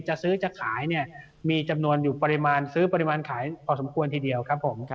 จะซื้อจะขายเนี่ยมีจำนวนอยู่ปริมาณซื้อปริมาณขายพอสมควรทีเดียวครับผม